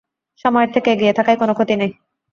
সময়ের থেকে এগিয়ে থাকায় কোনো ক্ষতি নেই।